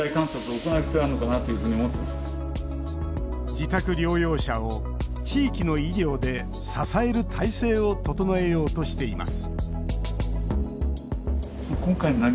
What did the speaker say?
自宅療養者を地域の医療で支える体制を整えようとしています